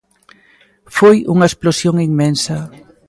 Foi unha explosión inmensa.